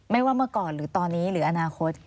ว่าเมื่อก่อนหรือตอนนี้หรืออนาคต